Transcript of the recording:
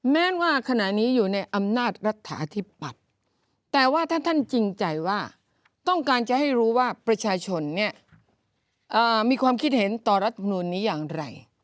แม้ว่าขณะนี้อยู่ในอำนาจรัฐฐาธิปัตย์แต่ว่าถ้าท่านจริงใจว่าต้องการจะให้รู้ว่าประชาชนเนี่ยมีความคิดเห็นต่อรัฐมนุนนี้อย่างไร